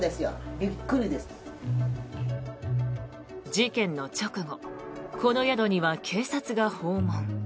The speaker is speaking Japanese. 事件の直後この宿には警察が訪問。